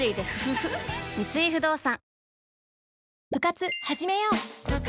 三井不動産